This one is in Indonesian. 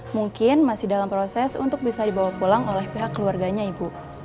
mungkin masih dalam proses untuk bisa dibawa pulang oleh pihak keluarganya ibu